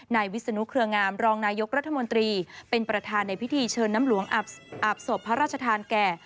วิศนุเครืองามรองนายกรัฐมนตรีเป็นประธานในพิธีเชิญน้ำหลวงอาบศพพระราชทานแก่